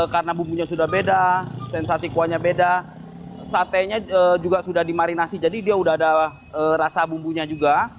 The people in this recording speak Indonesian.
karena bumbunya sudah beda sensasi kuahnya beda sate nya juga sudah dimarinasi jadi dia sudah ada rasa bumbunya juga